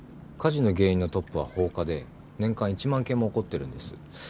火事の原因のトップは放火で年間１万件も起こってるんです。